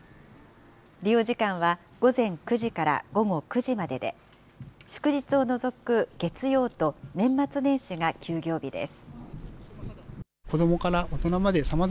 利用時間は午前９時から午後９時までで、祝日を除く月曜と年末年始が休業日です。